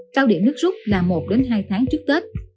cao điểm nước rút là một hai tháng trước tết